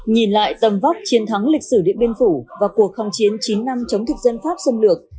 nhìn lại tầm vóc chiến thắng lịch sử điện biên phủ và cuộc kháng chiến chín năm chống thực dân pháp xâm lược